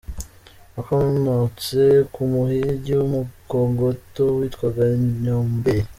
Wakomotse ku muhigi w’umukogoto witwaga Nyombeli.